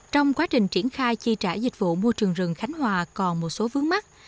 trong quá trình triển khai chi trả dịch vụ môi trường rừng khánh hòa còn một số vướng mắt